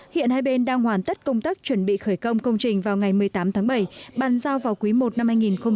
hiện hai bên đang hoàn tất công tác chuẩn bị khởi công công trình vào ngày một mươi tám tháng bảy bàn giao vào quý i năm hai nghìn hai mươi